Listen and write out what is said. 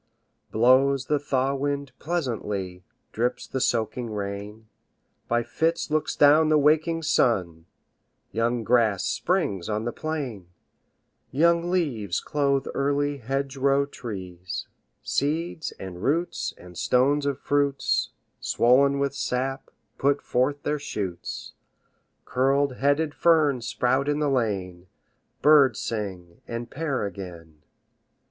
Blows the thaw wind pleasantly, Drips the soaking rain, By fits looks down the waking sun: Young grass springs on the plain; Young leaves clothe early hedgerow trees; Seeds, and roots, and stones of fruits, Swollen with sap, put forth their shoots; Curled headed ferns sprout in the lane; Birds sing and pair again.